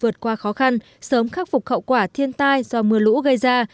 vượt qua khó khăn sớm khắc phục khẩu quả thiên tai do mưa lũ gây ra